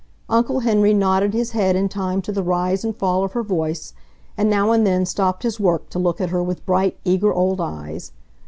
Uncle Henry nodded his head in time to the rise and fall of her voice and now and then stopped his work to look at her with bright, eager, old eyes.